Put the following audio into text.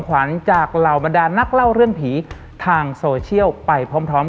ขวัญจากเหล่าบรรดานนักเล่าเรื่องผีทางโซเชียลไปพร้อม